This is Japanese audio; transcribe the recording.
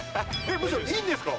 むしろいいんですか？